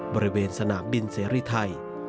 บริเวณสนามบินเสรีไทย